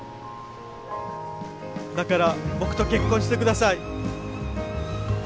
だから僕と結婚してください。